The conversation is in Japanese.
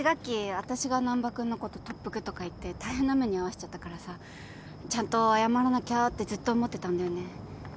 私が難破君のこと特服とか言って大変な目に遭わせちゃったからさちゃんと謝らなきゃってずっと思ってたんだよね。